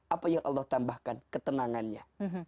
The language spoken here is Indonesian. apa yang allah tambahkan ketenangannya